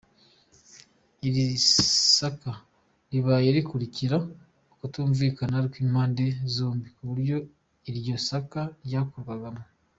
Iri saka ribaye rikurikira ukutumvikana kw'impande zombi ku buryo iryo saka ryakorwamo.